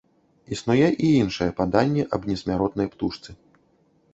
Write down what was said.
Існуе і іншае паданне аб несмяротнай птушцы.